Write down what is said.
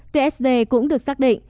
tsd cũng được xác định